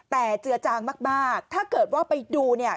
แต่เจือจางมากถ้าเกิดว่าไปดูเนี่ย